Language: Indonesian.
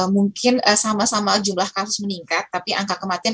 mungkin sama sama jumlah kasus meningkat tapi angka kematian